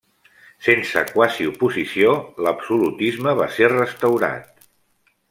Sense quasi oposició, l'absolutisme va ser restaurat.